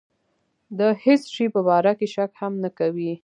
د هېڅ شي په باره کې شک هم نه کوي.